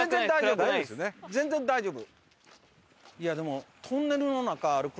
いやでも。